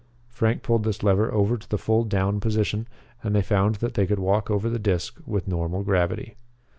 Frank pulled this lever over to the full "Down" position and they found that they could walk over the disc with normal gravity.